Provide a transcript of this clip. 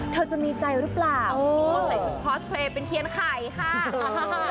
เธอจะมีใจหรือเปล่าใส่ชุดคอสเพลย์เป็นเทียนไข่ค่ะ